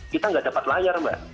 kita nggak dapat layar mbak